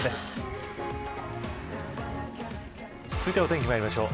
続いてはお天気まいりましょう。